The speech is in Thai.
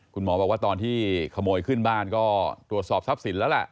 คุณหมอบอกว่าตอนที่ขโมยขึ้นบ้านก็ตรวจสอบทรัพย์สินแล้วล่ะ